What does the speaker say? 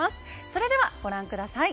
それでは、ご覧ください。